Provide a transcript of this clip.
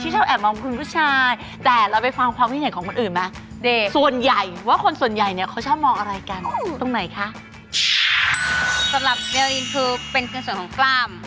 สำหรับเบลอินคือเป็นเงินส่วนของกล้าม